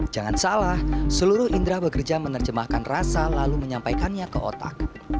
jangan salah seluruh indra bekerja menerjemahkan rasa lalu menyampaikannya ke otak